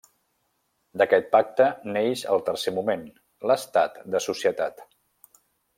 D'aquest pacte neix el tercer moment: l'estat de societat.